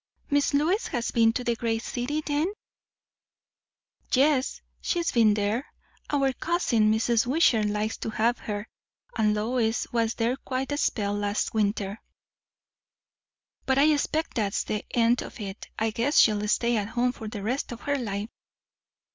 "Miss Lois has been to the great city, then?" "Yes, she's been there. Our cousin, Mrs. Wishart, likes to have her, and Lois was there quite a spell last winter; but I expect that's the end of it. I guess she'll stay at home the rest of her life."